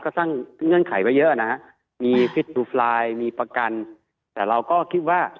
ก็สร้างเงื่อนไขไปเยอะนะฮะมีมีประกันแต่เราก็คิดว่า